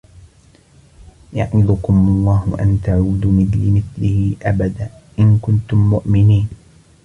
يعظكم الله أن تعودوا لمثله أبدا إن كنتم مؤمنين